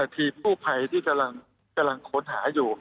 ทีมกู้ภัยที่กำลังค้นหาอยู่